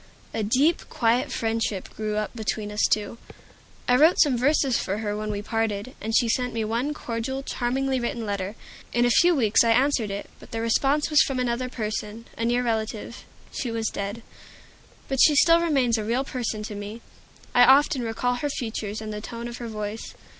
A deep, quiet friendship grew up between us two. I wrote some verses for her when we parted, and she sent me one cordial, charmingly written letter. In a few weeks I answered it; but the response was from another person, a near relative. She was dead. But she still remains a real person to me; I often recall her features and the tone of her voice.